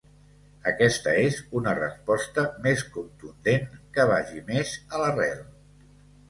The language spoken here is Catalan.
Aquesta és una resposta més contundent que vagi més a l’arrel.